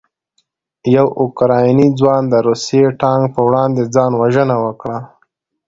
یو اوکراني ځوان د روسي ټانک په وړاندې ځان وژنه وکړه.